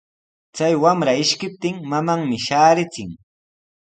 Chay wamra ishkiptin mamanmi shaarichin.